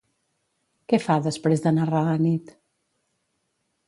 Què fa després de narrar la nit?